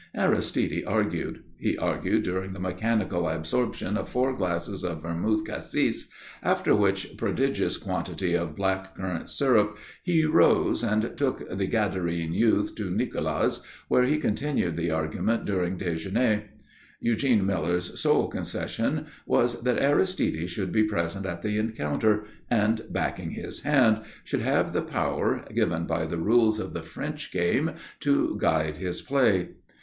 Aristide argued. He argued during the mechanical absorption of four glasses of vermouth cassis after which prodigious quantity of black currant syrup he rose and took the Gadarene youth to Nikola's where he continued the argument during déjeuner. Eugene Miller's sole concession was that Aristide should be present at the encounter and, backing his hand, should have the power (given by the rules of the French game) to guide his play.